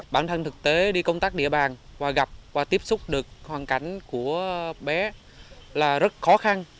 bản thân thực tế đi công tác địa bàn và gặp và tiếp xúc được hoàn cảnh của bé là rất khó khăn